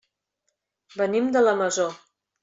Venim de la Masó.